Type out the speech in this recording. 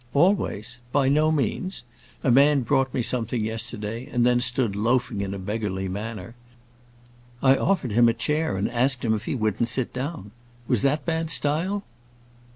"Always? By no means. A man brought me something yesterday, and then stood loafing in a beggarly manner. I offered him a chair and asked him if he wouldn't sit down. Was that bad style?"